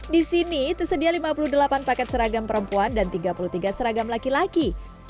di sini tersedia lima puluh delapan paket seragam perempuan dan tiga puluh tiga seragam laki laki